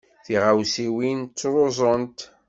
Tiɣawsiwin ttruẓunt.